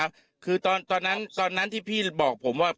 คือตอนนั้นตอนนั้นที่พี่บอกผมว่า